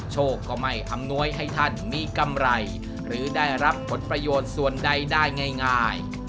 โชคก็ไม่อำนวยให้ท่านมีกำไรหรือได้รับผลประโยชน์ส่วนใดได้ง่าย